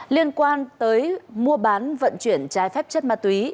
liên quan tới mua bán vận chuyển trái phép chất ma túy